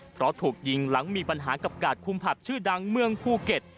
เพราะถูกยิงหลังมีปัญหากับกาดคุมผับชื่อดังเมืองภูเก็ต